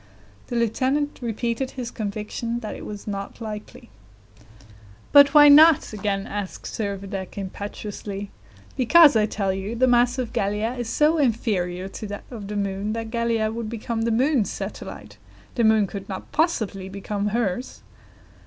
The lieutenant repeated his conviction that it was not likely. "But why not?" again asked Servadac impetuously. "Because, I tell you, the mass of Gallia is so inferior to that of the moon, that Gallia would become the moon's satellite; the moon could not possibly become hers."